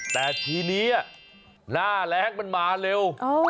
แต่ทีนี้หน้าแรงมันมาเร็ว